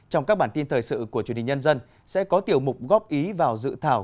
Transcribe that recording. trong các bản tin thời sự của truyền hình nhân dân sẽ có tiểu mục góp ý vào dự thảo